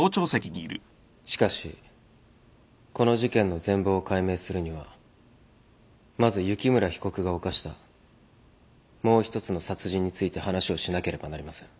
しかしこの事件の全貌を解明するにはまず雪村被告が犯したもう一つの殺人について話をしなければなりません。